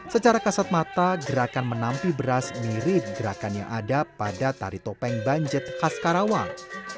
secara kasat mata gerakan menampi beras mirip gerakan yang ada pada tari topeng banjet khas karawang